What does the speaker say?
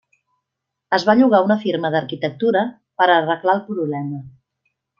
Es va llogar una firma d'arquitectura per arreglar el problema.